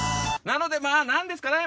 なのでまあ何ですかね？